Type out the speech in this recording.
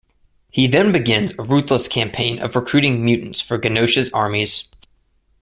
He then begins a ruthless campaign of recruiting mutants for Genosha's armies.